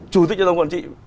chủ tịch đồng quản trị